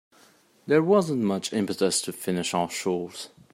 There wasn't much impetus to finish our chores.